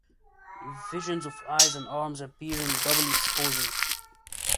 Visions of eyes and arms appear in double exposure.